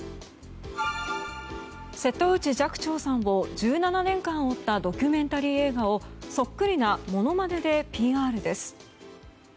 瀬戸内寂聴さんを１７年間追ったドキュメンタリー映画をそっくりな物まねでＰＲです。